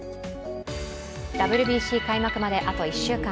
ＷＢＣ開幕まで、あと１週間。